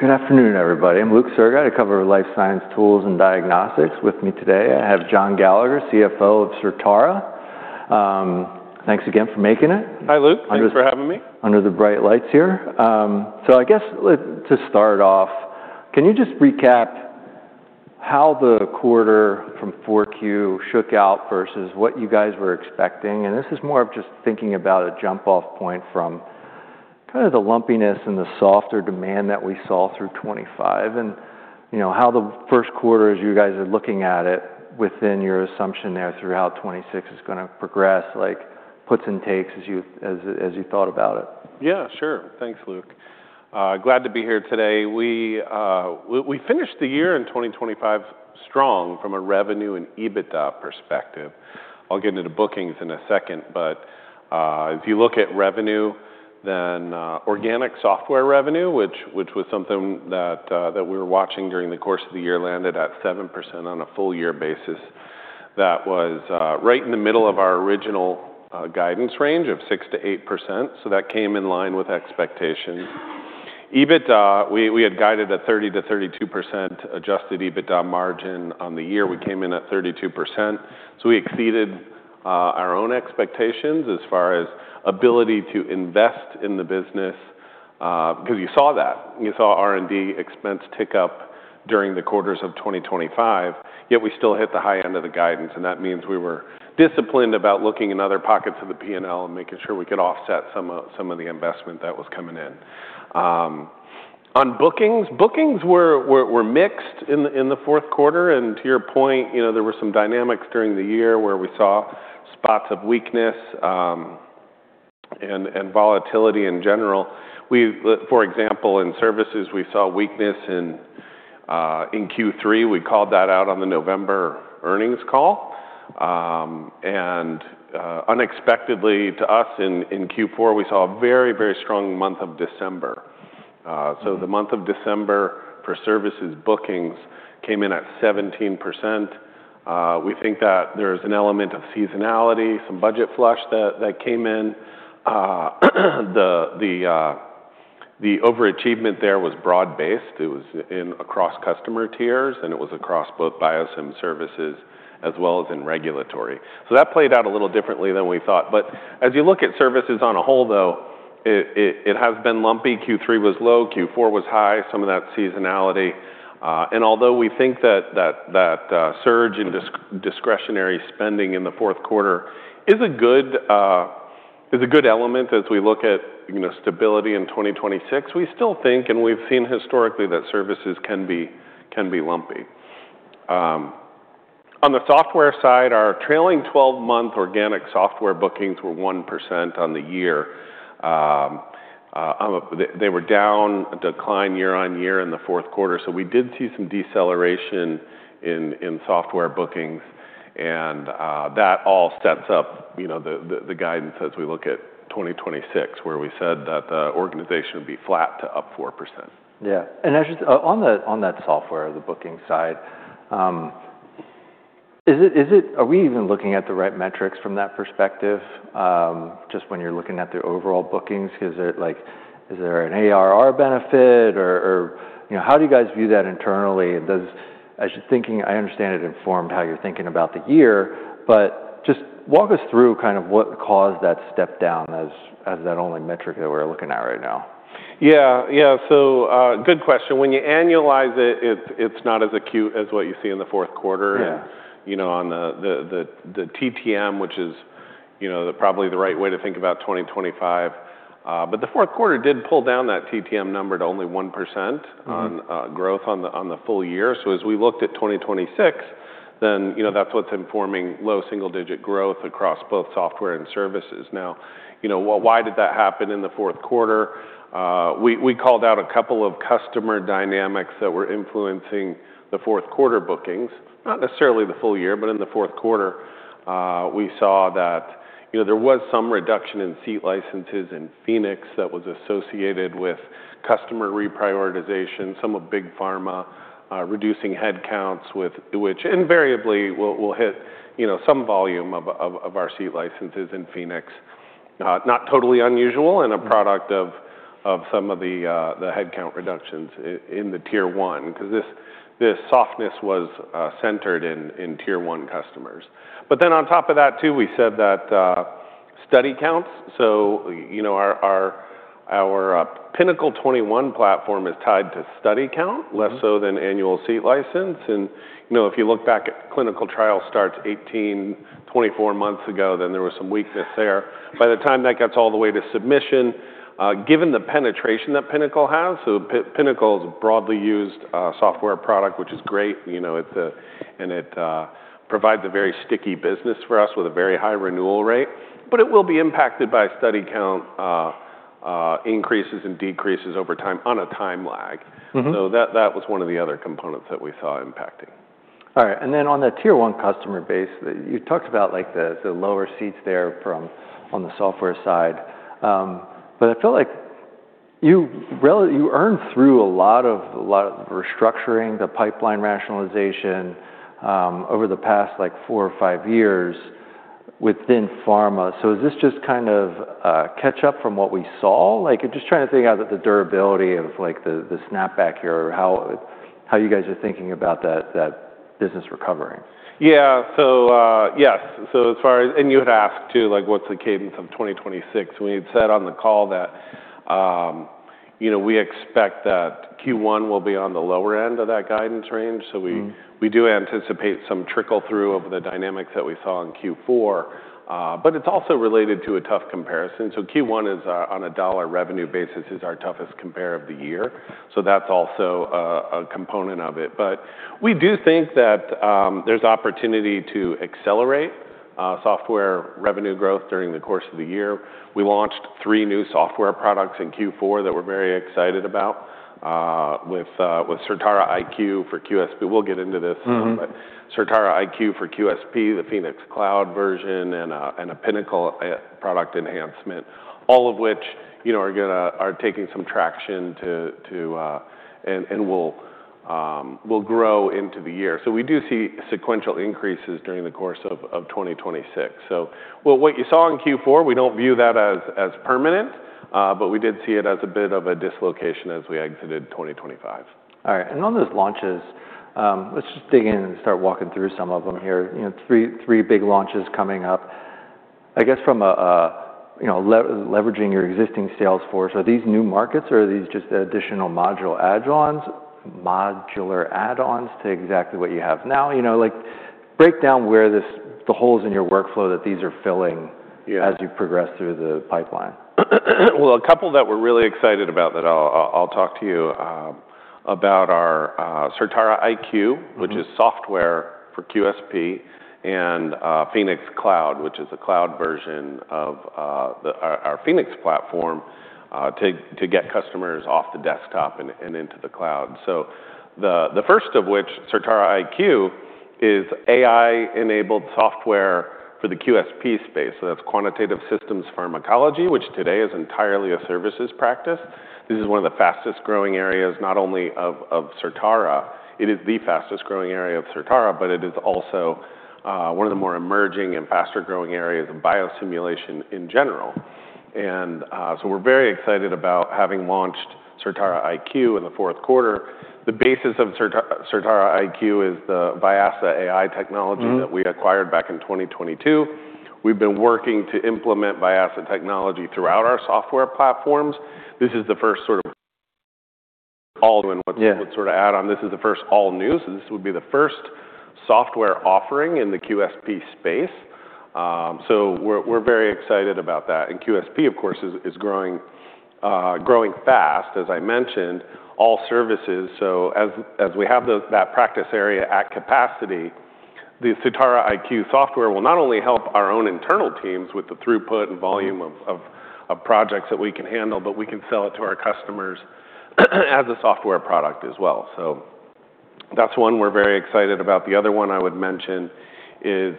Good afternoon, everybody. I'm Luke Sergott. I cover life science tools and diagnostics. With me today, I have John Gallagher, CFO of Certara. Thanks again for making it. Hi, Luke. Thanks for having me. Under the bright lights here. I guess to start off, can you just recap how the quarter from 4Q shook out versus what you guys were expecting? This is more of just thinking about a jump-off point from kind of the lumpiness and the softer demand that we saw through 2025 and, you know, how the first quarter as you guys are looking at it within your assumption there through how 2026 is gonna progress, like puts and takes as you thought about it. Yeah, sure. Thanks, Luke. Glad to be here today. We finished the year in 2025 strong from a revenue and EBITDA perspective. I'll get into bookings in a second, but if you look at revenue, then organic software revenue, which was something that we were watching during the course of the year landed at 7% on a full-year basis. That was right in the middle of our original guidance range of 6%-8%, so that came in line with expectations. EBITDA, we had guided a 30%-32% adjusted EBITDA margin on the year. We came in at 32%, so we exceeded our own expectations as far as ability to invest in the business, because you saw that. You saw R&D expense tick up during the quarters of 2025, yet we still hit the high end of the guidance, and that means we were disciplined about looking in other pockets of the P&L and making sure we could offset some of the investment that was coming in. On bookings were mixed in the fourth quarter. To your point, you know, there were some dynamics during the year where we saw spots of weakness and volatility in general. For example, in services, we saw weakness in Q3. We called that out on the November earnings call. Unexpectedly to us in Q4, we saw a very strong month of December. So the month of December for services bookings came in at 17%. We think that there's an element of seasonality, some budget flush that came in. The overachievement there was broad-based. It was across customer tiers, and it was across both biosim services as well as in regulatory. So that played out a little differently than we thought. As you look at services on the whole, it has been lumpy. Q3 was low, Q4 was high, some of that seasonality. Although we think that surge in discretionary spending in the fourth quarter is a good element as we look at, you know, stability in 2026, we still think, and we've seen historically, that services can be lumpy. On the software side, our trailing 12-month organic software bookings were 1% on the year. They were down, a decline year-on-year in the fourth quarter, so we did see some deceleration in software bookings and that all sets up, you know, the guidance as we look at 2026, where we said that the organization would be flat to up 4%. Yeah, on that software, the booking side, are we even looking at the right metrics from that perspective, just when you're looking at the overall bookings? Is it like, is there an ARR benefit or, you know, how do you guys view that internally? As you're thinking, I understand it informed how you're thinking about the year, but just walk us through kind of what caused that step down as that only metric that we're looking at right now. Yeah. Good question. When you annualize it's not as acute as what you see in the fourth quarter. You know, on the TTM, which is, you know, probably the right way to think about 2025. The fourth quarter did pull down that TTM number to only 1% growth on the full year. As we looked at 2026, you know, that's what's informing low-single-digit growth across both software and services. Now, you know, why did that happen in the fourth quarter? We called out a couple of customer dynamics that were influencing the fourth quarter bookings. Not necessarily the full year, but in the fourth quarter, we saw that, you know, there was some reduction in seat licenses in Phoenix that was associated with customer reprioritization, some of Big Pharma reducing headcounts, which invariably will hit, you know, some volume of our seat licenses in Phoenix. Not totally unusual and a product of some of the headcount reductions in the Tier 1, 'cause this softness was centered in Tier 1 customers. On top of that too, we said that study counts, so you know, our Pinnacle 21 platform is tied to study count. Less so than annual seat license. You know, if you look back at clinical trial starts 18, 24 months ago, then there was some weakness there. By the time that gets all the way to submission, given the penetration that Pinnacle has. Pinnacle is a broadly used software product, which is great. You know, it provides a very sticky business for us with a very high renewal rate. It will be impacted by study count increases and decreases over time on a time lag. That was one of the other components that we saw impacting. All right. Then on the Tier 1 customer base, you talked about like the lower seats there on the software side. I feel like you earned through a lot of restructuring the pipeline rationalization over the past, like four or five years. Within pharma. Is this just kind of catch up from what we saw? Like, I'm just trying to figure out that the durability of, like, the snapback here or how you guys are thinking about that business recovering. You had asked too, like what's the cadence of 2026? We had said on the call that, you know, we expect that Q1 will be on the lower end of that guidance range. We do anticipate some trickle-through of the dynamics that we saw in Q4. It's also related to a tough comparison. Q1 is, on a dollar revenue basis, our toughest compare of the year, so that's also a component of it. We do think that there's opportunity to accelerate software revenue growth during the course of the year. We launched three new software products in Q4 that we're very excited about with Certara IQ for QSP. We'll get into this soon. Certara IQ for QSP, the Phoenix Cloud version, and a Pinnacle product enhancement, all of which, you know, are taking some traction, too, and will grow into the year. We do see sequential increases during the course of 2026. Well, what you saw in Q4, we don't view that as permanent, but we did see it as a bit of a dislocation as we exited 2025. All right. On those launches, let's just dig in and start walking through some of them here. You know, three big launches coming up. I guess from a, you know, leveraging your existing sales force, are these new markets or are these just additional modular add-ons to exactly what you have now? You know, like break down where the holes in your workflow that these are filling as you progress through the pipeline. Well, a couple that we're really excited about that I'll talk to you about are Certara IQ, which is software for QSP, and Phoenix Cloud, which is a cloud version of our Phoenix platform to get customers off the desktop and into the cloud. The first of which, Certara IQ, is AI-enabled software for the QSP space. That's quantitative systems pharmacology, which today is entirely a services practice. This is one of the fastest-growing areas, not only of Certara. It is the fastest-growing area of Certara, but it is also one of the more emerging and faster-growing areas of biosimulation in general. We're very excited about having launched Certara IQ in the fourth quarter. The basis of Certara IQ is the Vyasa AI technology that we acquired back in 2022. We've been working to implement Vyasa technology throughout our software platforms. This is the first sort of all new and what's sort of add-on. This is the first all new, so this would be the first software offering in the QSP space. We're very excited about that. QSP, of course, is growing fast, as I mentioned, all services. As we have that practice area at capacity, the Certara IQ software will not only help our own internal teams with the throughput and volume of projects that we can handle, but we can sell it to our customers as a software product as well. That's one we're very excited about. The other one I would mention is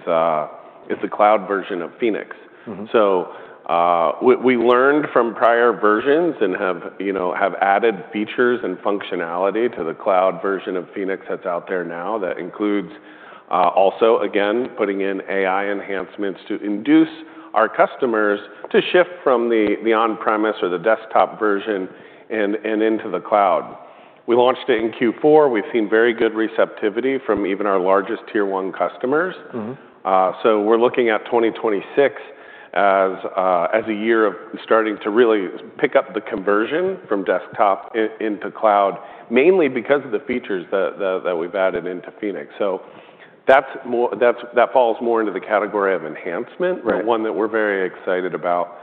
the cloud version of Phoenix. We learned from prior versions and have, you know, added features and functionality to the cloud version of Phoenix that's out there now. That includes also again putting in AI enhancements to induce our customers to shift from the on-premise or the desktop version and into the cloud. We launched it in Q4. We've seen very good receptivity from even our largest Tier 1 customers. We're looking at 2026 as a year of starting to really pick up the conversion from desktop into cloud, mainly because of the features that we've added into Phoenix. That falls more into the category of enhancement. One that we're very excited about,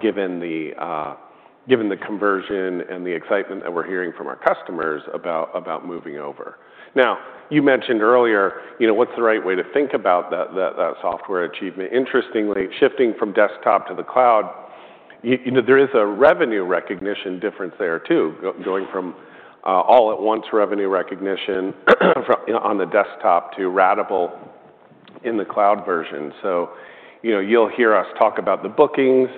given the conversion and the excitement that we're hearing from our customers about moving over. Now, you mentioned earlier, you know, what's the right way to think about that software achievement? Interestingly, shifting from desktop to the cloud, you know, there is a revenue recognition difference there too going from all at once revenue recognition from, you know, on the desktop to ratable in the cloud version. You know, you'll hear us talk about the bookings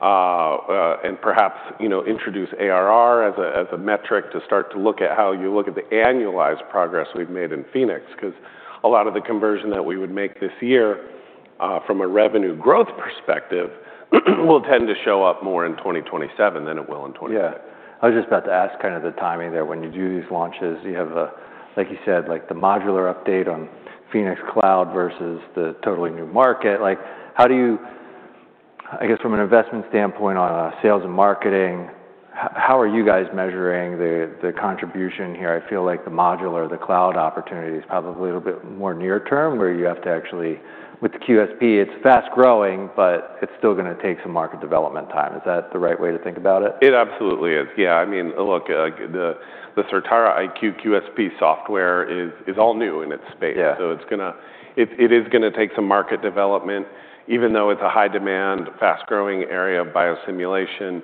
and perhaps, you know, introduce ARR as a metric to start to look at how you look at the annualized progress we've made in Phoenix 'cause a lot of the conversion that we would make this year from a revenue growth perspective will tend to show up more in 2027 than it will in 2026. Yeah. I was just about to ask kind of the timing there. When you do these launches, you have a, like you said, like the modular update on Phoenix Cloud versus the totally new market. Like, how do you, I guess from an investment standpoint on a sales and marketing, how are you guys measuring the contribution here? I feel like the modular, the cloud opportunity is probably a little bit more near term where you have to actually. With the QSP, it's fast-growing, but it's still gonna take some market development time. Is that the right way to think about it? It absolutely is. Yeah. I mean, look, like the Certara IQ QSP software is all new in its space. It's gonna take some market development. Even though it's a high-demand, fast-growing area of biosimulation,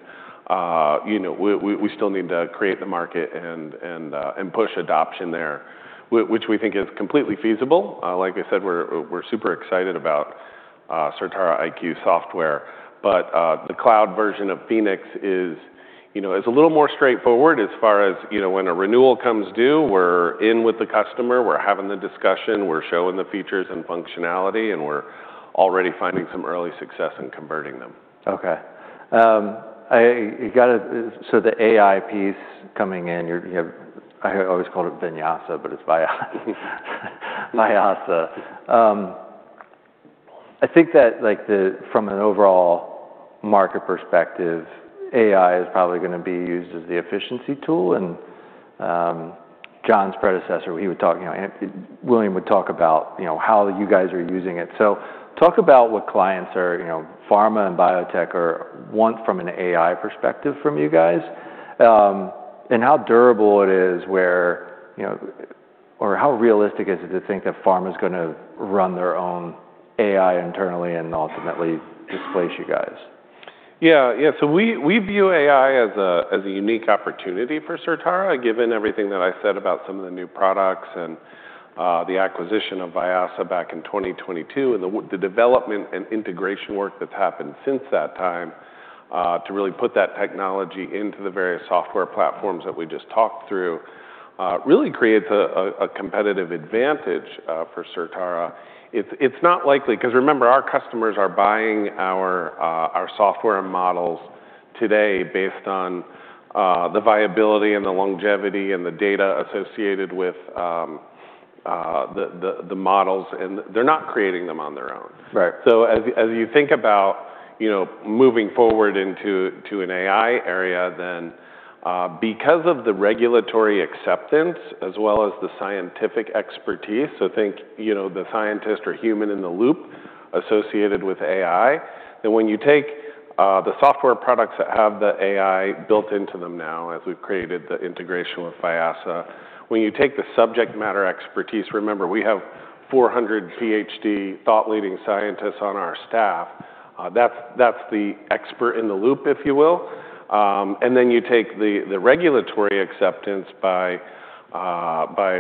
you know, we still need to create the market and push adoption there, which we think is completely feasible. Like I said, we're super excited about Certara IQ software. The cloud version of Phoenix is, you know, a little more straightforward as far as, you know, when a renewal comes due, we're in with the customer, we're having the discussion, we're showing the features and functionality, and we're already finding some early success in converting them. The AI piece coming in. I always called it Vinyasa, but it's Vyasa. I think that from an overall market perspective, AI is probably gonna be used as the efficiency tool, and John's predecessor, he would talk, you know, William would talk about, you know, how you guys are using it. Talk about what clients or, you know, pharma and biotech want from an AI perspective from you guys, and how durable it is where, you know. Or how realistic is it to think that pharma's gonna run their own AI internally and ultimately displace you guys? We view AI as a unique opportunity for Certara, given everything that I said about some of the new products and the acquisition of Vyasa back in 2022 and the development and integration work that's happened since that time to really put that technology into the various software platforms that we just talked through, really creates a competitive advantage for Certara. It's not likely. 'Cause remember, our customers are buying our software models today based on the viability and the longevity and the data associated with the models, and they're not creating them on their own. As you think about, you know, moving forward into an AI era, then because of the regulatory acceptance as well as the scientific expertise, so think, you know, the scientist or human in the loop associated with AI, then when you take the software products that have the AI built into them now as we've created the integration with Vyasa, when you take the subject matter expertise, remember, we have 400 PhD thought-leading scientists on our staff, that's the expert in the loop, if you will. And then you take the regulatory acceptance by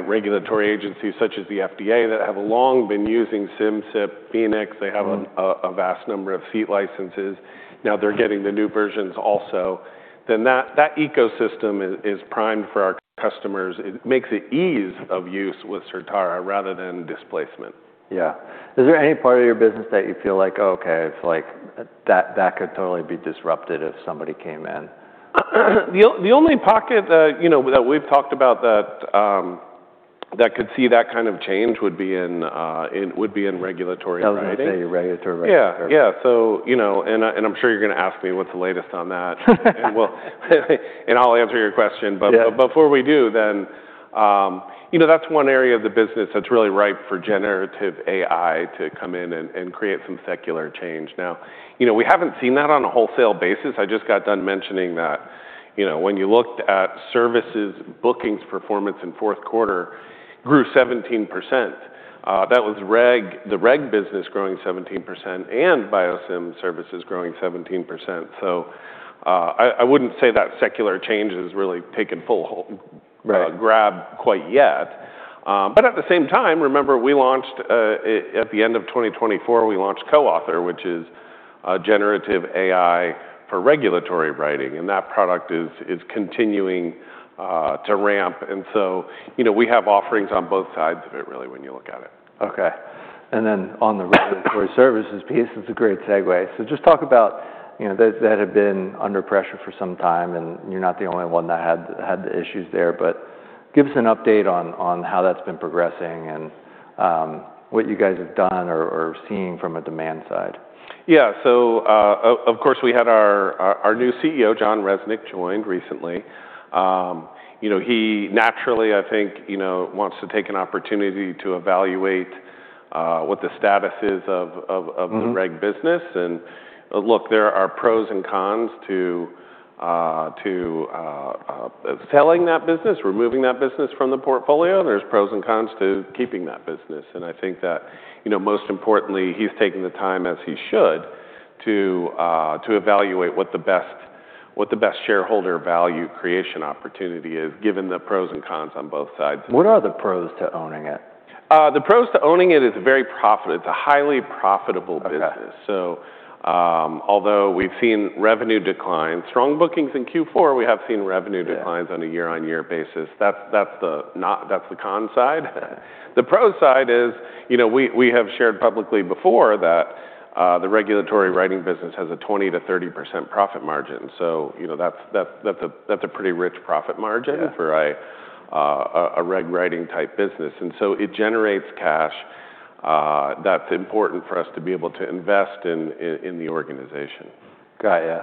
regulatory agencies such as the FDA that have long been using Simcyp, Phoenix. They have a vast number of seat licenses. Now they're getting the new versions also. That ecosystem is primed for our customers. It makes it ease of use with Certara rather than displacement. Yeah. Is there any part of your business that you feel like, "Oh, okay, it's like that could totally be disrupted if somebody came in"? The only pocket that, you know, that we've talked about that could see that kind of change would be in regulatory writing. I was gonna say regulatory writing. Yeah. You know, I'm sure you're gonna ask me what's the latest on that. I'll answer your question but before we do, you know, that's one area of the business that's really ripe for generative AI to come in and create some secular change. Now, you know, we haven't seen that on a wholesale basis. I just got done mentioning that, you know, when you looked at services bookings performance in fourth quarter, grew 17%. That was the reg business growing 17% and Biosim services growing 17%. I wouldn't say that secular change has really taken full grab quite yet. But at the same time, remember we launched at the end of 2024, we launched CoAuthor, which is a generative AI for regulatory writing, and that product is continuing to ramp. You know, we have offerings on both sides of it really when you look at it. Okay. On the regulatory services piece, it's a great segue. Just talk about, you know, that had been under pressure for some time, and you're not the only one that had the issues there, but give us an update on how that's been progressing and what you guys have done or seen from a demand side. Of course, we had our new CEO Jon Resnick joined recently. You know, he naturally, I think, you know, wants to take an opportunity to evaluate what the status is of the reg business. Look, there are pros and cons to selling that business, removing that business from the portfolio. There are pros and cons to keeping that business. I think that, you know, most importantly, he's taking the time, as he should, to evaluate what the best shareholder value creation opportunity is given the pros and cons on both sides. What are the pros to owning it? The pros to owning it is a highly profitable business. Although we've seen revenue decline, strong bookings in Q4, we have seen revenue declines on a year-on-year basis. That's the con side. The pro side is, you know, we have shared publicly before that, the regulatory writing business has a 20%-30% profit margin. So, you know, that's a pretty rich profit margin for a reg writing type business. It generates cash, that's important for us to be able to invest in the organization. Got it.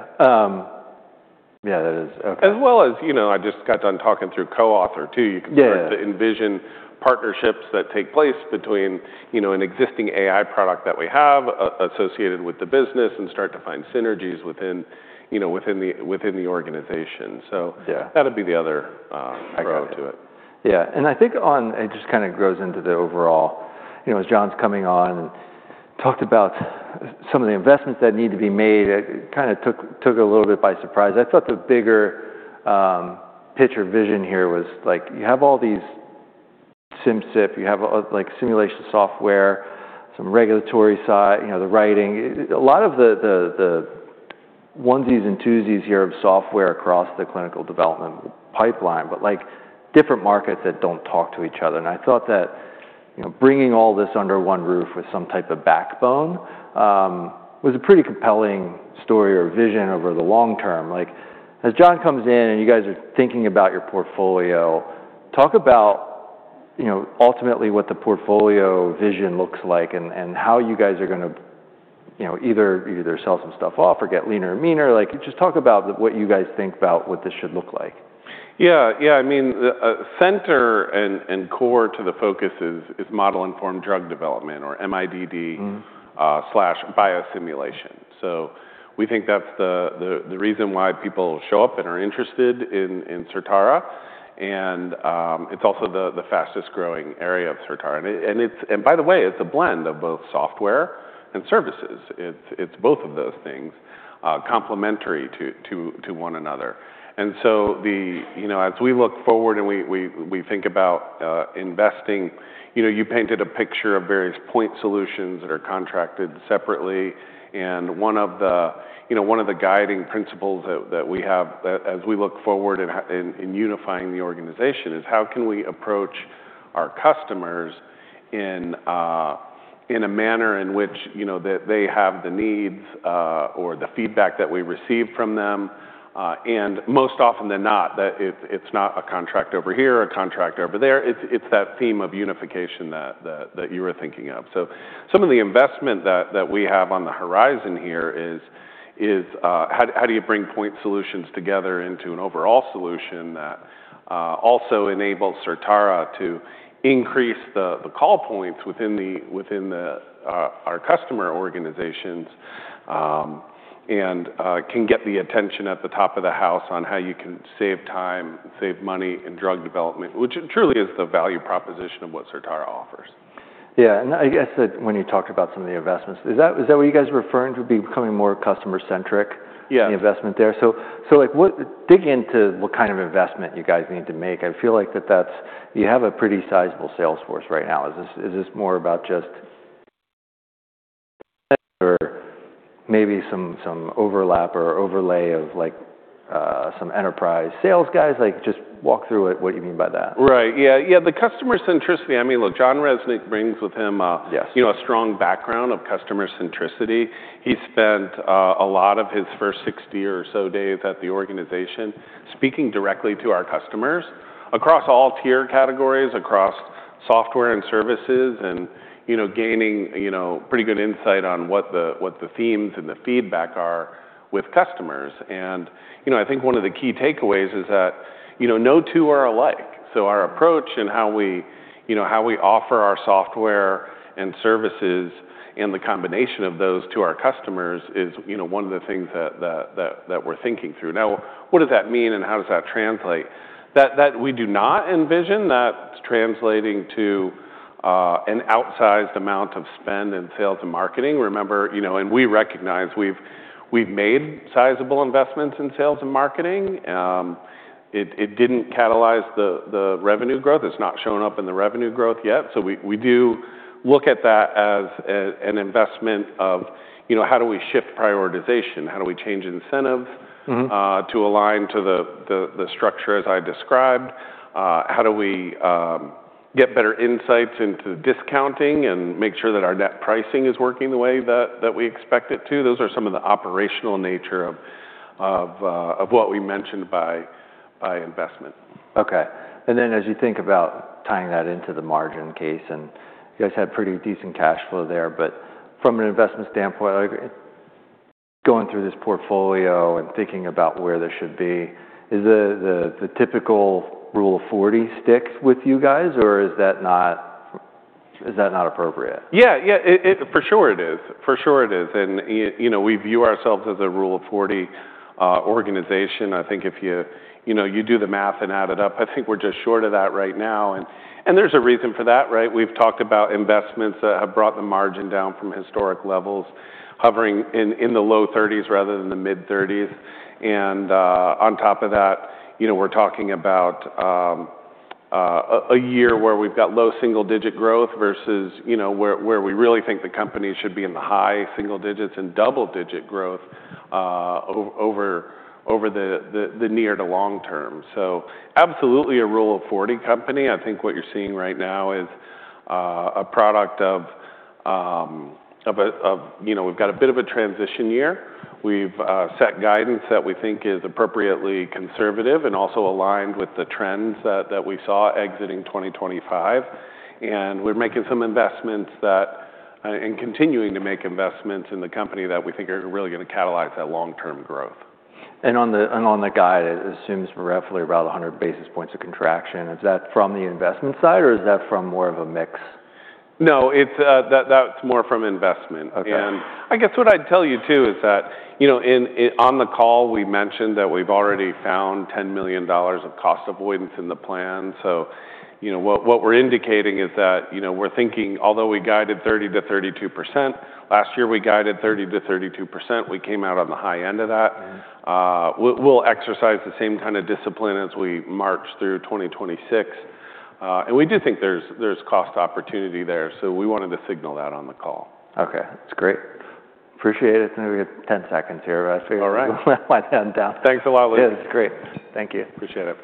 Yeah. Okay. As well as, you know, I just got done talking through CoAuthor too. You can start to envision partnerships that take place between, you know, an existing AI product that we have associated with the business and start to find synergies within, you know, within the organization. That'd be the other pro to it. Yeah. I think it just kinda grows into the overall, you know, as Jon's coming on and talked about some of the investments that need to be made, it kinda took a little bit by surprise. I thought the bigger picture vision here was like you have all these Simcyp, you have like simulation software, some regulatory side, you know, the writing. A lot of the onesies and twosies here of software across the clinical development pipeline, but like different markets that don't talk to each other. I thought that, you know, bringing all this under one roof with some type of backbone was a pretty compelling story or vision over the long term. Like, as Jon comes in and you guys are thinking about your portfolio, talk about, you know, ultimately what the portfolio vision looks like and how you guys are gonna, you know, either sell some stuff off or get leaner and meaner. Like, just talk about what you guys think about what this should look like. Yeah. Yeah, I mean, the center and core to the focus is model-informed drug development or MIDD/biosimulation. We think that's the reason why people show up and are interested in Certara. It's also the fastest-growing area of Certara. By the way, it's a blend of both software and services. It's both of those things, complementary to one another. You know, as we look forward and we think about investing, you know, you painted a picture of various point solutions that are contracted separately. One of the guiding principles that we have, that as we look forward in unifying the organization is how can we approach our customers in a manner in which, you know, they have the needs or the feedback that we receive from them. Most often than not, it's not a contract over here or a contract over there. It's that theme of unification that you were thinking of. Some of the investment that we have on the horizon here is how do you bring point solutions together into an overall solution that also enables Certara to increase the call points within our customer organizations, and can get the attention at the top of the house on how you can save time and save money in drug development, which truly is the value proposition of what Certara offers. Yeah. I guess that when you talked about some of the investments, is that what you guys were referring to be becoming more customer-centric on the investment there? So like what dig into what kind of investment you guys need to make. I feel like that you have a pretty sizable sales force right now. Is this more about just or maybe some overlap or overlay of like, some enterprise sales guys? Like, just walk through it, what you mean by that. Right. Yeah. Yeah, the customer centricity, I mean, look, Jon Resnick brings with him. You know, a strong background of customer centricity. He spent a lot of his first 60 years or so at the organization speaking directly to our customers across all tier categories, across software and services, and you know, gaining you know, pretty good insight on what the themes and the feedback are with customers. You know, I think one of the key takeaways is that you know, no two are alike. Our approach and how we you know, how we offer our software and services and the combination of those to our customers is you know, one of the things that that we're thinking through. Now, what does that mean and how does that translate? That we do not envision that translating to an outsized amount of spend in sales and marketing. Remember, you know, and we recognize we've made sizable investments in sales and marketing. It didn't catalyze the revenue growth. It's not shown up in the revenue growth yet. We do look at that as an investment of, you know, how do we shift prioritization? How do we change incentives to align to the structure as I described? How do we get better insights into discounting and make sure that our net pricing is working the way that we expect it to? Those are some of the operational nature of what we mentioned by investment. Okay. As you think about tying that into the margin case, and you guys had pretty decent cash flow there, but from an investment standpoint, like going through this portfolio and thinking about where this should be, is the typical rule of forty stick with you guys, or is that not appropriate? Yeah. Yeah. For sure it is. For sure it is. You know, we view ourselves as a rule of forty organization. I think if you do the math and add it up, I think we're just short of that right now. There's a reason for that, right? We've talked about investments that have brought the margin down from historic levels, hovering in the low-30s% rather than the mid-30s%. On top of that, you know, we're talking about a year where we've got low single-digit growth versus where we really think the company should be in the high-single-digits and double-digit growth over the near- to long-term. Absolutely a Rule of 40 company. I think what you're seeing right now is a product of, you know, we've got a bit of a transition year. We've set guidance that we think is appropriately conservative and also aligned with the trends that we saw exiting 2025. We're making some investments and continuing to make investments in the company that we think are really gonna catalyze that long-term growth. On the guide, it assumes roughly around 100 basis points of contraction. Is that from the investment side or is that from more of a mix? No, that's more from investment. Okay. I guess what I'd tell you too is that, you know, on the call, we mentioned that we've already found $10 million of cost avoidance in the plan. You know, what we're indicating is that, you know, we're thinking, although we guided 30%-32%, last year we guided 30%-32%, we came out on the high end of that. We'll exercise the same kind of discipline as we march through 2026. We do think there's cost opportunity there, so we wanted to signal that on the call. Okay. That's great. Appreciate it. I think we got 10 seconds here. All right. I'm gonna put my pen down. Thanks a lot. Yeah, it's great. Thank you. Appreciate it.